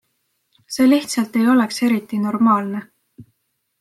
See lihtsalt ei oleks eriti normaalne!